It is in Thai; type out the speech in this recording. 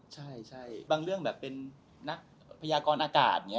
ใช่บางเรื่องแบบเป็นนักพยากรอากาศอย่างนี้